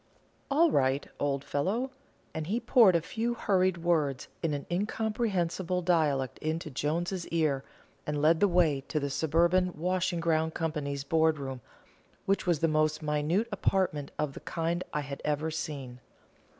"All right, old fellow;" and he poured a few hurried words in an incomprehensible dialect into Jones's ear, and led the way to the Suburban Washing ground Company's board room, which was the most minute apartment of the kind I had ever seen.